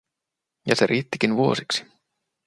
Ja se riittikin vuosiksi.